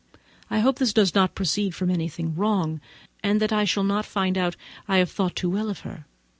I hope this does not proceed from anything wrong, and that I shall not find out I have thought too well of her.